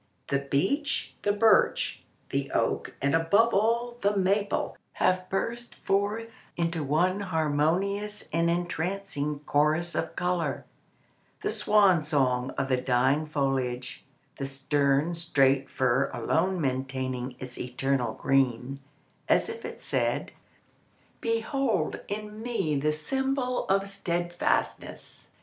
The beech, the birch, the oak, and above all, the maple, have burst forth into one harmonious and entrancing chorus of colour—the swan song of the dying foliage—the stern, straight fir alone maintaining its eternal green, as if it said: "Behold in me the symbol of steadfastness."